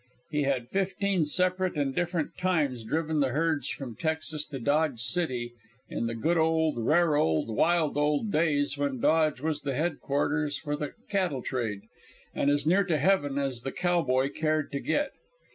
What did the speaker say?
He had fifteen separate and different times driven the herds from Texas to Dodge City, in the good old, rare old, wild old days when Dodge was the headquarters for the cattle trade, and as near to heaven as the cowboy cared to get.